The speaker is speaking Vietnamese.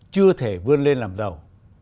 chưa thể vươn lên làm giàu